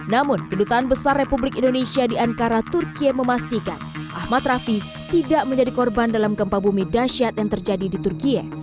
namun kedutaan besar republik indonesia di ankara turki memastikan ahmad rafi tidak menjadi korban dalam gempa bumi dasyat yang terjadi di turkiye